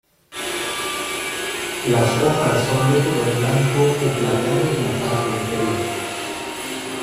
Las hojas son de color blanco o plateado en la parte inferior.